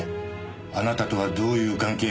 あなたとはどういう関係？